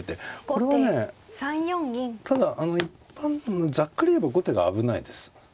これはねただざっくり言えば後手が危ないです。